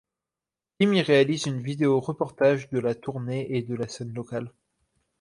Tim y réalise une vidéo reportage de la tournée et de la scène locale.